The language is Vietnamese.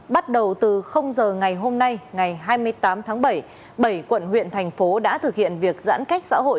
bắt đầu từ giờ ngày hôm nay ngày hai mươi tám tháng bảy bảy quận huyện thành phố đã thực hiện việc giãn cách xã hội